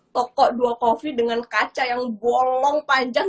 toko dua coffee dengan kaca yang golong panjang